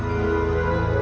dan terbaik lagi